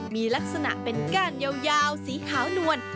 มีลักษณะเป็นก้านยาวสีขาวนวล